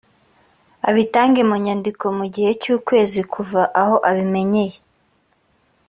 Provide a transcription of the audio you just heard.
abitange mu nyandiko mu gihe cy’ukwezi kuva aho abimenyeye